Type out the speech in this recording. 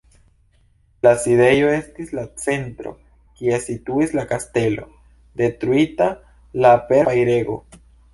La sidejo estis en la centro, kie situis la kastelo, detruita la per fajrego.